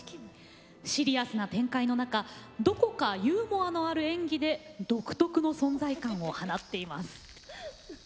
シリアスな展開の中どこかユーモアのある演技で独特の存在感を放っています。